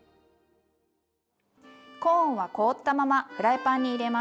コーンは凍ったままフライパンに入れます。